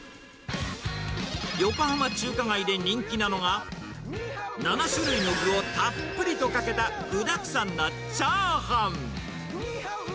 横浜中華街で人気なのが、７種類の具をたっぷりとかけた、具だくさんなチャーハン。